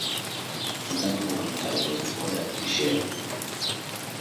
In that work I was ordered to share.